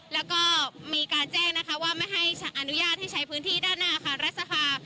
แล้วก็มีการแจ้งนะคะว่าไม่ให้อนุญาตให้ใช้พื้นที่ด้านหน้าอาคารรัฐสภา